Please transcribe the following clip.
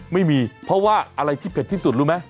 ไม่มีเพราะว่าอะไรที่เผ็ดที่สุดรู้ไหม